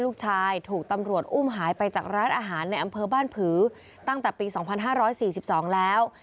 ลูกชายถูกตำรวจอุ้มหายไปจากร้านอาหารในอำเภอบ้านผือตั้งแต่ปี๒๕๔๒แล้ว